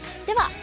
では